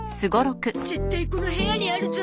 絶対この部屋にあるゾ。